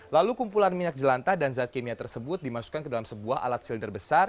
lalu kumpulan minyak jelantah dan zat kimia tersebut dimasukkan ke dalam sebuah alat silinder besar